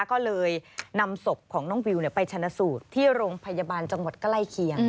ก็เลยนำศพของน้องวิวไปชนะสูตรที่โรงพยาบาลจังหวัดใกล้เคียง